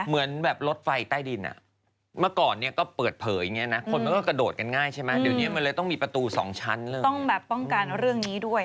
เหมือนแบบรถไฟใต้ดินอะเมื่อก่อนเนี่ยก็เปิดเผยอย่างเงี้ยนะคนมันก็กระโดดกันง่ายใช่ไหมเดี๋ยวนี้มันเลยต้องมีประตูสองชั้นเรื่องนี้